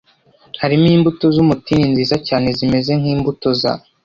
harimo imbuto z umutini nziza cyane zimeze nk imbuto za